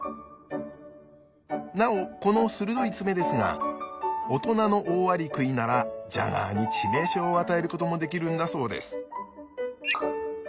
なおこの鋭い爪ですがオトナのオオアリクイならジャガーに致命傷を与えることもできるんだそうです。